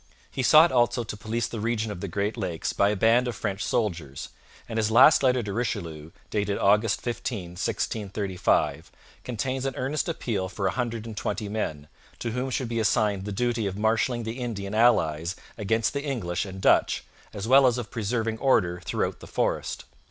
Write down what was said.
He sought also to police the region of the Great Lakes by a band of French soldiers, and his last letter to Richelieu (dated August 15, 1635) contains an earnest appeal for a hundred and twenty men, to whom should be assigned the duty of marshalling the Indian allies against the English and Dutch, as well as of preserving order throughout the forest.